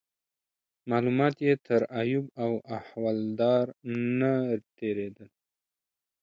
معلومات یې تر ایوب احوالدار نه تیرېدل.